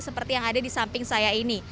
seperti yang ada di samping saya ini